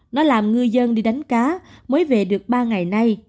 nó làm ngư dân đi đánh cá mới về được ba ngày nay